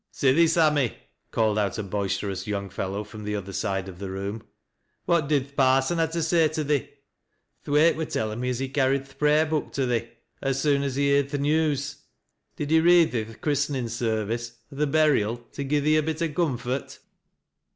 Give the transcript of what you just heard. " Sithee, Sammy," called out a boisterous young f dlo n from the other side of the room. " What did th' j arsoD ha' to say to thee ? Thwaite wur tellin' me as he c trried th' prayer book to thee, as soon as he heerd th' news Did he read thee th' Christenin' service, or th' Bui ial, tc gi' thee a bit o' comfort